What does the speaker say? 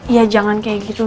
ya jangan kayak gitu